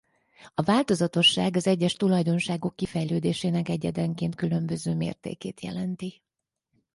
A változatosság az egyes tulajdonságok kifejlődésének egyedenként különböző mértékét jelenti.